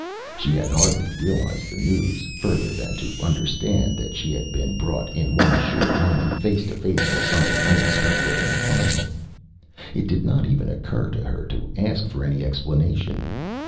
She had hardly realised the news, further than to understand that she had been brought in one short moment face to face with something unexpected and final. It did not even occur to her to ask for any explanation.